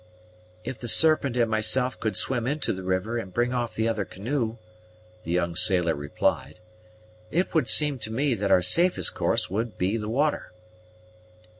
"If the Serpent and myself could swim into the river and bring off the other canoe," the young sailor replied, "it would seem to me that our safest course would be the water."